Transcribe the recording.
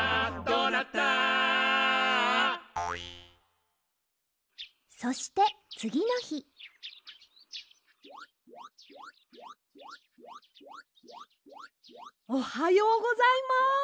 「どうなった？」そしてつぎのひおはようございます！